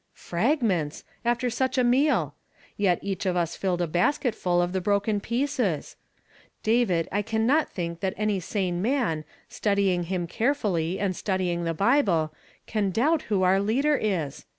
Frag ments! aFter such a iiioal ! Vet cadi of ns (illcd a basket full of the broken pieees I David, I < minot tiiink that any sane man, studying him carefully, and studying the I5il)le, can doubt who our leader is!